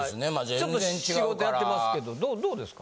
ちょっと仕事やってますけどどうですか？